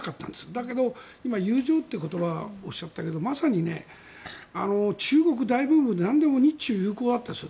だけど、今、友情という言葉をおっしゃったけどまさに中国大ブームでなんでも日中友好があったでしょ